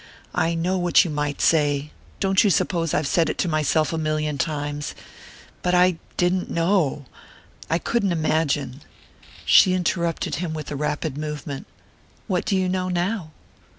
"I know what you might say don't you suppose I've said it to myself a million times? But I didn't know I couldn't imagine " She interrupted him with a rapid movement. "What do you know now?"